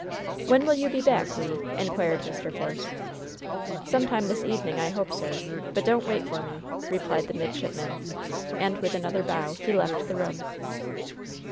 "When will you be back, Le?" inquired Mr. Force. "Some time this evening, I hope, sir; but don't wait for me," replied the midshipman, and, with another bow, he left the room.